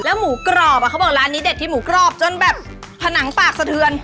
หมูกรอบเขาบอกร้านนี้เด็ดที่หมูกรอบจนแบบผนังปากสะเทือน